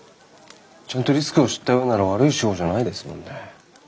ちゃんとリスクを知った上でなら悪い手法じゃないですもんね。